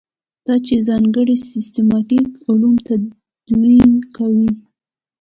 دا چې ځانګړي سیسټماټیک علوم تدوین کاندي.